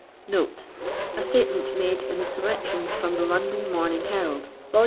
* An English writer ob *A statement made in the Selections from the London Morning Herald, vol.